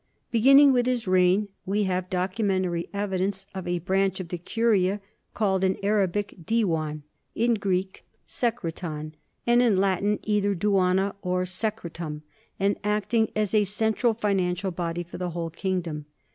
Begin ning with his reign we have documentary evidence of a branch of the curia, called in Arabic diwan, in Greek <reicpTov, and in Latin either duana or secretum, and acting as a central financial body for the whole king dom.